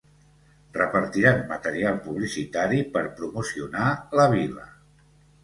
Repartiran material publicitari per promocionar la vila.